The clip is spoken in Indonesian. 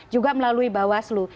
juga melalui bawah selu